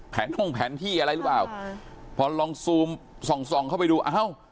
ท่งแผนที่อะไรหรือเปล่าพอลองซูมส่องส่องเข้าไปดูเอ้า